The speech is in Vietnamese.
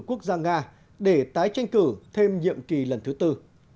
quốc gia nga để tái tranh cử thêm nhiệm kỳ lần thứ tư